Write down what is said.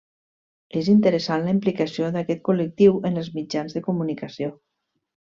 És interessant la implicació d'aquest col·lectiu en els mitjans de comunicació.